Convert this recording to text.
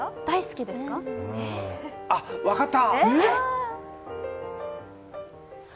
あっ、分かった！